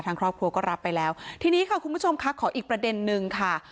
ทางครอบครัวก็รับไปแล้วทีนี้ค่ะคุณผู้ชมค่ะขออีกประเด็นนึงค่ะ